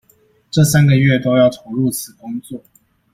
這三個月都要投入此工作